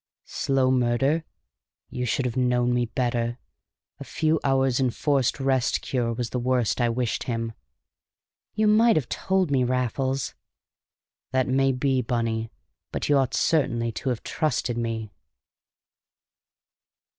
"Slow murder? You should have known me better. A few hours' enforced Rest Cure was the worst I wished him." "You might have told me, Raffles!" "That may be, Bunny, but you ought certainly to have trusted me!"